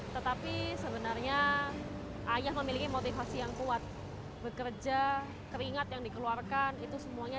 tetapi sebenarnya ayah memiliki motivasi yang kuat bekerja keringat yang dikeluarkan itu semuanya